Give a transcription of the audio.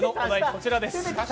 こちらです。